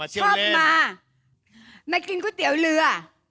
ชอบมามากินก๋วยเตี๋ยวเรือ